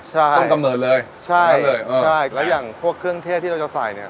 ใช่ต้องกำเนิดเลยใช่เลยใช่แล้วอย่างพวกเครื่องเทศที่เราจะใส่เนี่ย